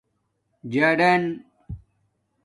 جاڈان